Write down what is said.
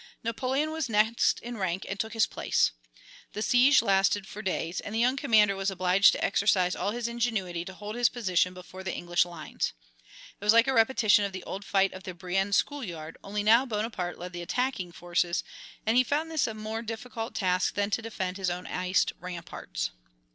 Napoleon was next in rank and took his place. The siege lasted for days, and the young commander was obliged to exercise all his ingenuity to hold his position before the English lines. It was like a repetition of the old fight of the Brienne school yard, only now Bonaparte led the attacking forces, and he found this a more difficult task than to defend his own iced ramparts.